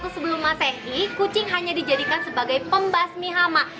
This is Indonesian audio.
tiga lima ratus sebelum masehi kucing hanya dijadikan sebagai pembasmihama